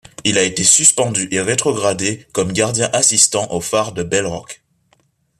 Il a été suspendu et rétrogradé comme gardien assistant au phare de Bell Rock.